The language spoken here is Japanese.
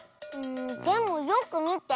でもよくみて。